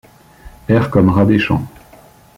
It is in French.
R comme rats des champs